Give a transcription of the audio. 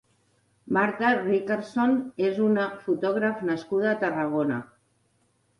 Marta Richardson és una fotògrafa nascuda a Tarragona.